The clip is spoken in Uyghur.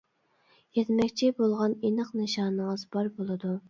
يەتمەكچى بولغان ئېنىق نىشانىڭىز بار بولىدۇ.